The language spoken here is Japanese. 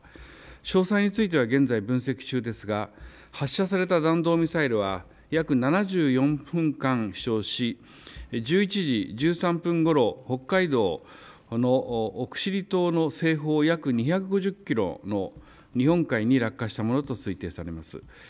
詳細については現在、分析中ですが発射された弾道ミサイルは約７４分間飛しょうし１１時１３分ごろ、北海道の奥尻島の西方約２５０キロの日本海に落下したものと推定されます。